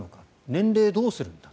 年齢をどうするんだ。